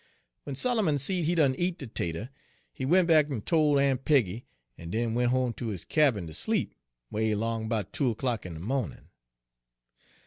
W'en Solomon seed he'd done eat de 'tater, he went back en tol' Aun' Peggy, en den went home ter his cabin ter sleep, 'way 'long 'bout two o'clock in de mawnin'.